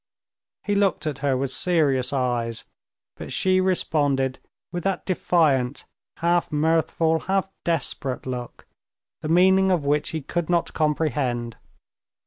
He looked at her with serious eyes, but she responded with that defiant, half mirthful, half desperate look, the meaning of which he could not comprehend.